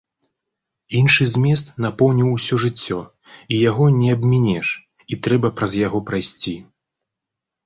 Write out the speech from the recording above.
Іншы змест напоўніў усё жыццё, і яго не абмінеш, і трэба праз яго прайсці.